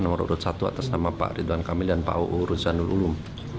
nomor urut satu atas nama pak ridwan kamil dan pak uu ruzanul ulum